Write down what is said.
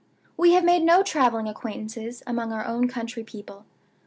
We have made no traveling acquaintances among our own country people.